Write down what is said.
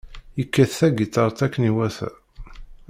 Yekkat tagitaṛt akken iwata.